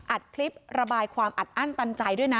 อัดคลิประบายความอัดอั้นตันใจด้วยนะ